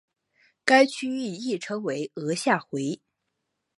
该区域亦称为额下回。